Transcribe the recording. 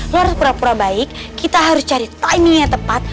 lo harus pura pura baik kita harus cari timingnya tepat